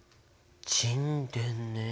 沈殿ねえ。